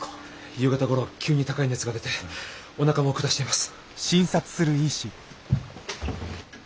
夕方ごろ急に高い熱が出ておなかも下しています。